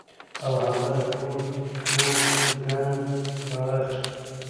او هغه د ټول کور ګند را اخلي